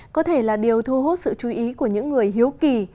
có thể là điều thu hút sự chú ý của những người hiếu kỳ